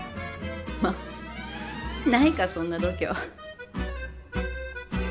まあないかそんな度胸。